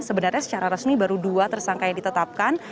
sebenarnya secara resmi baru dua tersangka yang ditetapkan